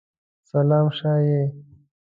سلام شه یی!